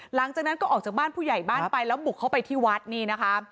หลังจากนั้นก็ออกจากบ้านผู้ใหญ่บ้านไปแล้วบุกเข้าไปที่วัดนี่นะคะ